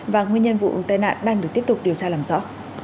và nguyên nhân vụ tai nạn đang được tiếp tục điều tra làm rõ